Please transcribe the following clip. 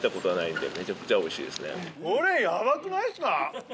これヤバくないですか？